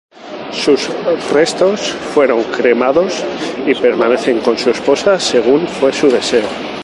Sus restos fueron cremados y permanecen con su esposa según fue su deseo.